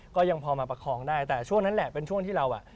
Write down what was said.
ก็ยังพอมาประคองได้แต่ช่วงนั้นแหละเป็นช่วงที่เราอ่ะ